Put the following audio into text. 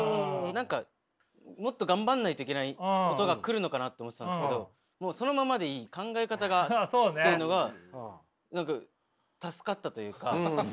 何かもっと頑張んないといけないことが来るのかなと思ってたんですけどそのままでいい考え方がっていうのは何か助かったというか。